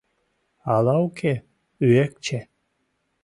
Ала уке, Ӱэкче.